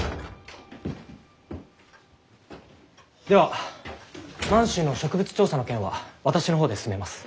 では満州の植物調査の件は私の方で進めます。